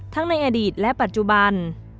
ในอดีตและปัจจุบัน